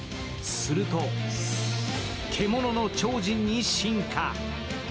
すると獣の超人に進化。